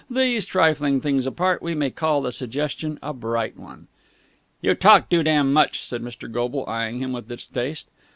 These trifling things apart, we may call the suggestion a bright one." "You talk too damn much!" said Mr. Goble, eyeing him with distaste.